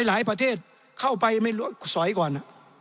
หลายประเทศเข้าไปไม่รู้สอยก่อน